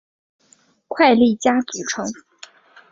快利佳组成。